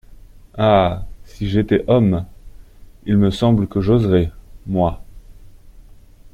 Ah ! si j’étais homme, il me semble que j’oserais, moi !…